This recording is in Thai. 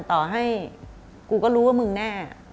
ต่อให้กูก็รู้ว่ามึงแน่